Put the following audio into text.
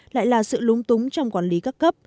lại là sự lúng túng trong quản lý các cấp